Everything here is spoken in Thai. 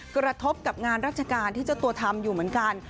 กระทบกับงานราชการที่เจ้าตัวทำอยู่เหมือนกัน